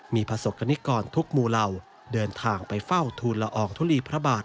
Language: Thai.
มีประสบกรณิกรทุกหมู่เหล่าเดินทางไปเฝ้าทูลละอองทุลีพระบาท